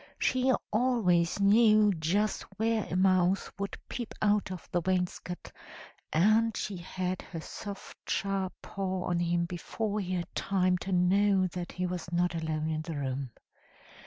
She always knew just where a mouse would peep out of the wainscot, and she had her soft sharp paw on him before he had time to know that he was not alone in the room.